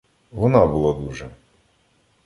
Вона була дуже